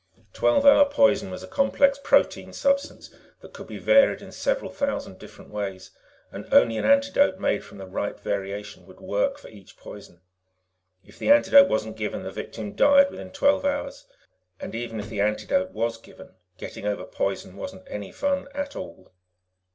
Twelve hour poison was a complex protein substance that could be varied in several thousand different ways, and only an antidote made from the right variation would work for each poison. If the antidote wasn't given, the victim died within twelve hours. And even if the antidote was given, getting over poison wasn't any fun at all.